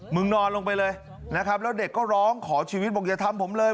นอนลงไปเลยนะครับแล้วเด็กก็ร้องขอชีวิตบอกอย่าทำผมเลย